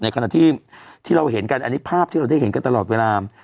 ขณะที่ที่เราเห็นกันอันนี้ภาพที่เราได้เห็นกันตลอดเวลา